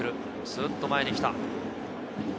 スッと前に来た。